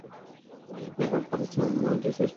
Pack up করেছি ওম, এবং এটিই শেষ ব্যাচ।